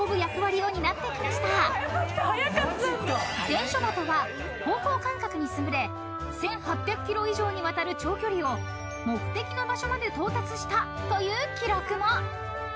［伝書バトは方向感覚に優れ１，８００ｋｍ以上にわたる長距離を目的の場所まで到達したという記録も］